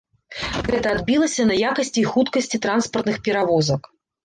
Гэта адбілася на якасці і хуткасці транспартных перавозак.